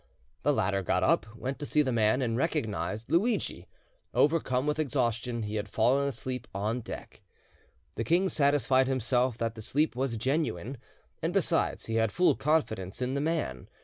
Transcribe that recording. The latter got up, went to see the man, and recognised Luidgi; overcome with exhaustion, he had fallen asleep on deck. The king satisfied himself that the sleep was genuine, and besides he had full confidence in the man.